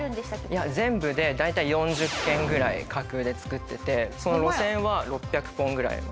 全部で大体４０県ぐらい架空で作ってて路線は６００本くらい。